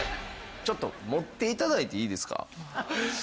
ちょっと持って頂いていいですか？